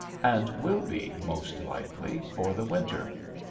and will be, most likely, for the winter.